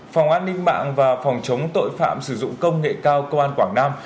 phòng an ninh mạng và phòng chống tội phạm sử dụng công nghệ cao công an quảng nam